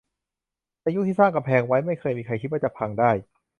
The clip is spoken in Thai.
ในยุคที่สร้างกำแพงไว้ ไม่เคยมีใครคิดว่าจะพังได้